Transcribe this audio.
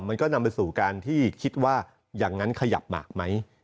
มันก็นำไปสู่การที่คิดว่าอย่างนั้นขยับหมากไหม